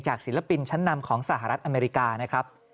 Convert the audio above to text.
ศิลปินชั้นนำของสหรัฐอเมริกานะครับ